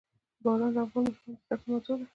باران د افغان ماشومانو د زده کړې موضوع ده.